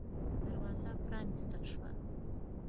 دروازه پًرانيستل شوه.